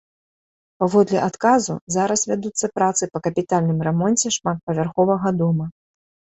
Паводле адказу зараз вядуцца працы па капітальным рамонце шматпавярховага дома.